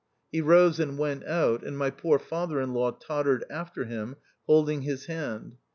He rose and went out, and my poor father in law tottered after him, holding his hand.